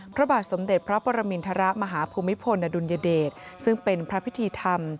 พระบาทสมเด็จพระปรมินทรมาฮภูมิพลอดุลยเดชซึ่งเป็นพระพิธีธรรม